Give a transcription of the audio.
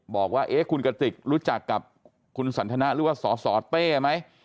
บอกว่าคุณกติกรู้จักกับคุณสันทนะหรือว่าสสเต้ไหม